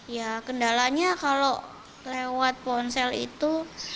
ya kendalanya kalau lewat ponsel itu